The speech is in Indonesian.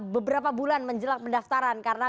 beberapa bulan menjelak pendaftaran karena